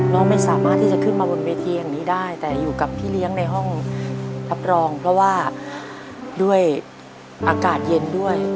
ไม่สามารถที่จะขึ้นมาบนเวทีแห่งนี้ได้แต่อยู่กับพี่เลี้ยงในห้องรับรองเพราะว่าด้วยอากาศเย็นด้วย